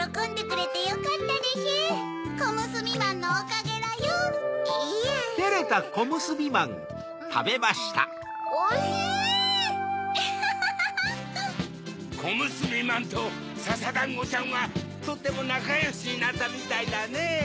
こむすびまんとささだんごちゃんはとってもなかよしになったみたいだねぇ。